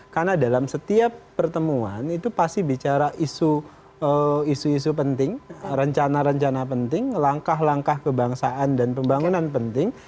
karena dalam setiap pertemuan itu pasti bicara isu isu penting rencana rencana penting langkah langkah kebangsaan dan pembangunan penting